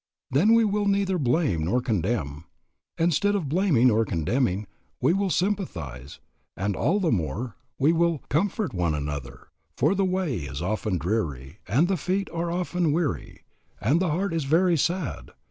Then we will neither blame nor condemn. Instead of blaming or condemning we will sympathize, and all the more we will "Comfort one another, For the way is often dreary, And the feet are often weary, And the heart is very sad.